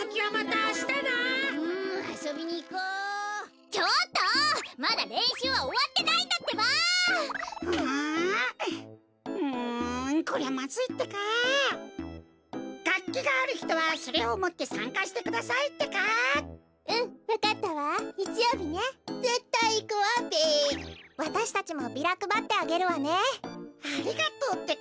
ありがとうってか。